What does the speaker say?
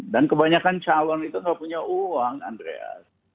dan kebanyakan calon itu nggak punya uang andreas